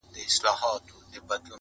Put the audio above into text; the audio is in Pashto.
له ستړیا له بېخوبیه لکه مړی-